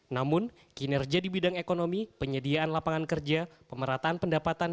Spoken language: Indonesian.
namun kinerja di bidang ekonomi penyediaan lapangan kerja pemerataan pendapatan